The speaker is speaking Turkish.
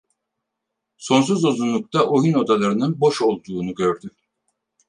Sonsuz uzunlukta oyun odalarının boş olduğunu gördü!